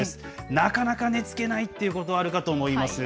なかなか寝つけないということあるかと思います。